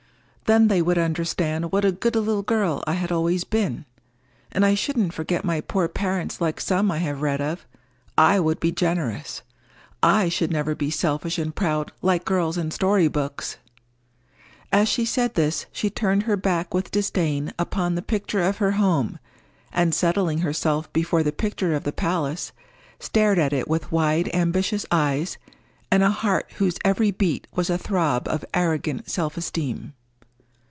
Then they would understand what a good little girl I had always been! And I shouldn't forget my poor parents like some I have read of. I would be generous. I should never be selfish and proud like girls in story books!" As she said this, she turned her back with disdain upon the picture of her home, and setting herself before the picture of the palace, stared at it with wide ambitious eyes, and a heart whose every beat was a throb of arrogant self esteem.